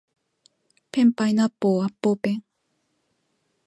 ペンパイナッポーアッポーペン